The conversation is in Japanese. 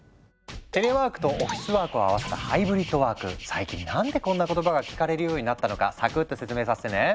テレワークとオフィスワークを合わせた最近何でこんな言葉が聞かれるようになったのかさくっと説明させてね。